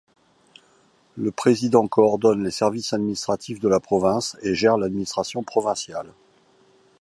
Le président coordonne les services administratifs de la province et gère l'administration provinciale.